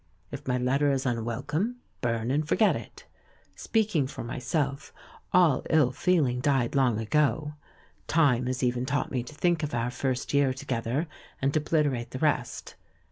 If my letter is unwelcome, burn and forget it. Speak ing for mj^self , all ill feeling died long ago. Time has even taught me to think of our first year to gether and obliterate the rest.